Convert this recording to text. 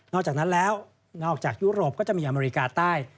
อกจากนั้นแล้วนอกจากยุโรปก็จะมีอเมริกาใต้